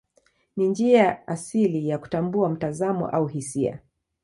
Ni njia asili ya kutambua mtazamo au hisia.